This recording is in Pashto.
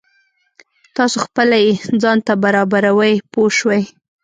تاسو خپله یې ځان ته برابروئ پوه شوې!.